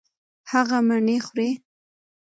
هغه مڼې خوري.